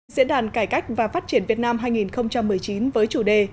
diễn đàn cải cách và phát triển việt nam hai nghìn một mươi chín với chủ đề